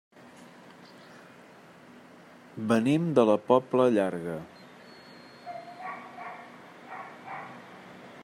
Venim de la Pobla Llarga.